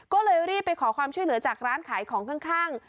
ก็เลยรีบไปขอความช่วยเหลือจากร้านขายของข้าง